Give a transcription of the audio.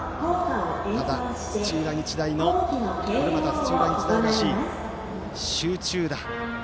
ただ、土浦日大のこれもまた土浦日大らしい集中打。